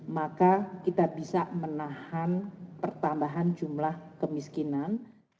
maka kita bisa menahan pertambahan jumlah kemiskinan